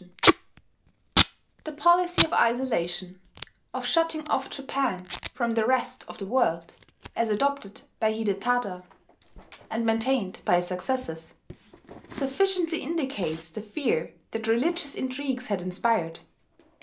] The policy of isolation, of shutting off Japan from the rest of the world, as adopted by Hidetada and maintained by his successors, sufficiently indicates the fear that religious intrigues had inspired.